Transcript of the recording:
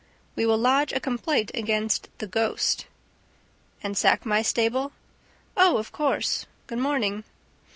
We will lodge a complaint against THE GHOST." "And sack my stable?" "Oh, of course! Good morning."